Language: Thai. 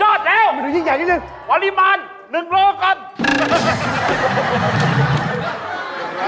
อย่างที่คิดนะครับนี่คือผลไม้แปลร่วมจากน้อยซักคัน